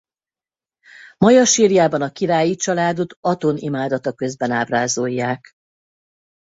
Maja sírjában a királyi családot Aton imádata közben ábrázolják.